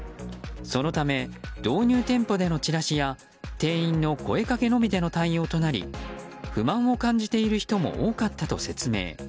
そのため、導入店舗でのチラシや店員の声掛けのみでの対応となり不満を感じている人も多かったと説明。